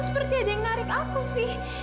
seperti ada yang narik aku sih